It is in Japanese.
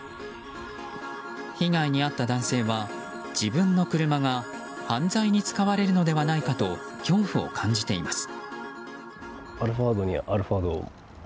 被害に遭った男性は自分の車が犯罪に使われるのではないかと恐怖を感じています。